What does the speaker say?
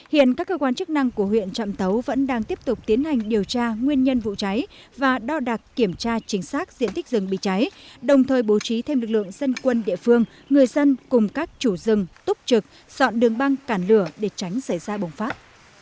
hiện các cơ quan chức năng của huyện trạm tấu vẫn đang tiếp tục tiến hành điều tra nguyên nhân vụ cháy và đo đạc kiểm tra chính xác diện tích rừng bị cháy đồng thời bố trí thêm lực lượng dân quân địa phương người dân cùng các chủ rừng túc trực dọn đường băng cản lửa để tránh xảy ra bùng phát